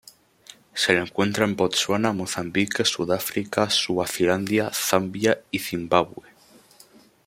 Se lo encuentra en Botsuana, Mozambique, Sudáfrica, Suazilandia, Zambia y Zimbabue.